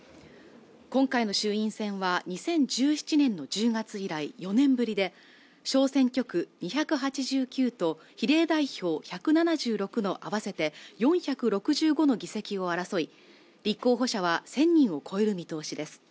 今回の衆院選は２０１７年の１０月以来４年ぶりで小選挙区２８９と比例代表１７６の合わせて４６５の議席を争い立候補者は１０００人を超える見通しです